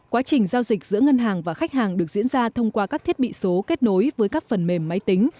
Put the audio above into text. quá trình giao dịch giữa ngân hàng và khách hàng được diễn ra thông qua các thiết bị số kết nối với các phần mềm máy tính